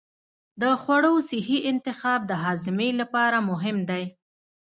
د خوړو صحي انتخاب د هاضمې لپاره مهم دی.